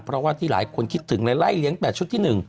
เพราะว่าที่หลายคนคิดถึงเลยไล่เลี้ยง๘ชุดที่๑